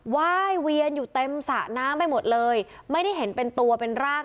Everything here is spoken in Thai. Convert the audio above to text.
ว่ายเวียนอยู่เต็มสระน้ำไปหมดเลยไม่ได้เห็นเป็นตัวเป็นร่าง